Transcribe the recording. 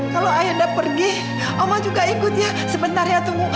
kalau ayahnya pergi oma juga ikut ya sebentar ya tunggu